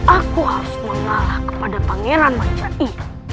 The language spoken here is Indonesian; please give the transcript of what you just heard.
aku harus mengalah kepada pangeran mancai